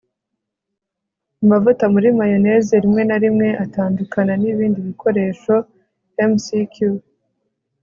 amavuta muri mayoneze rimwe na rimwe atandukana nibindi bikoresho. (mcq